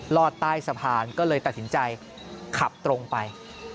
รอดใต้สะพานก็เลยตัดสินใจขับตรงไป